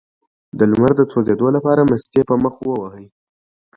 د لمر د سوځیدو لپاره مستې په مخ ووهئ